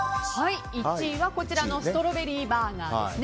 １位はストロベリーバーガーですね。